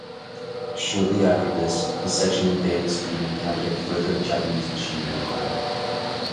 Shortly after this, his section advanced and encountered further Japanese machine gun fire.